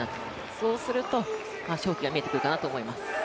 そうすると勝機が見えてくるかなと思います。